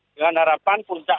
dengan harapan puncak